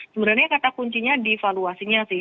sebenarnya kata kuncinya di valuasinya sih